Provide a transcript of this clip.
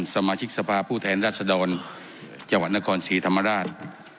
สมาชิกสภาพผู้แทนรัศดรจังหวัดนครศรีธรรมราช